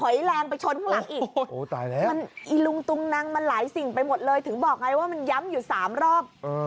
ย้ำอยู่๓รอบ